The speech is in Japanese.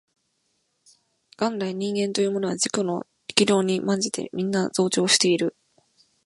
元来人間というものは自己の力量に慢じてみんな増長している